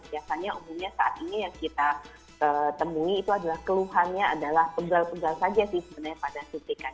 biasanya umumnya saat ini yang kita temui itu adalah keluhannya adalah pegal pegal saja sih sebenarnya pada suntikan